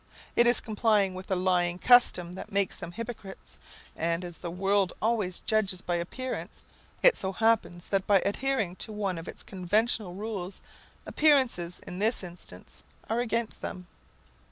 It is complying with a lying custom makes them hypocrites; and, as the world always judges by appearances, it so happens that by adhering to one of its conventional rules, appearances in this instance are against them.